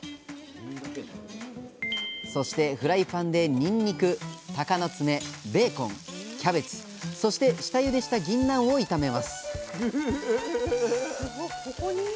そしてフライパンでにんにくたかのつめベーコンキャベツそして下ゆでしたぎんなんを炒めます